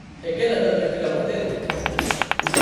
¡E queda tan tranquila vostede!